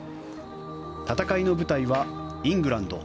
戦いの舞台はイングランド。